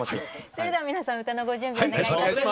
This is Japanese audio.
それでは皆さん歌のご準備お願いいたします。